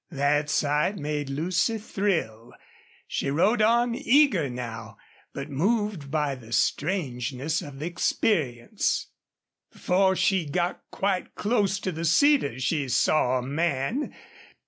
That sight made Lucy thrill. She rode on, eager now, but moved by the strangeness of the experience. Before she got quite close to the cedars she saw a man.